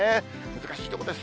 難しいところです。